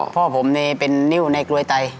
พ่อผมเป็นนิ้วในกลวยไต